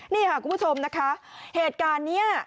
นี่ค่ะคุณผู้ชมนะคะเหตุการณ์นี้